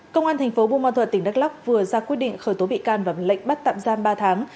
công an thành phố buôn ma thuật tỉnh đắk lóc vừa ra quyết định khởi tố bị can và lệnh bắt tạm giam ba tháng